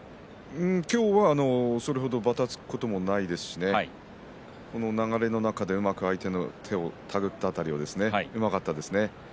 今日はそれほどばたつくことはないですし流れの中でうまく相手の手を手繰った辺りはうまかったですね。